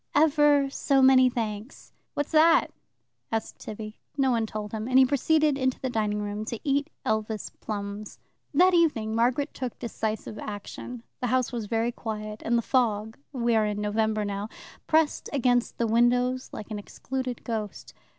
"Ever so many thanks." "What's that?" asked Tibby. No one told him, and he proceeded into the dining room, to eat Elvas plums. That evening Margaret took decisive action. The house was very quiet, and the fog we are in November now pressed against the windows like an excluded ghost.